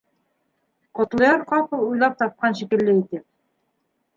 Ҡотлояр ҡапыл уйлап тапҡан шикелле итеп: